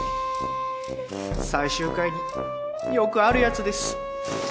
最終回によくあるやつです。